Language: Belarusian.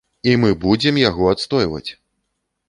І мы будзем яго адстойваць!